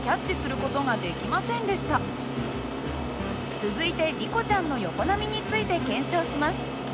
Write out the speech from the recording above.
続いてリコちゃんの横波について検証します。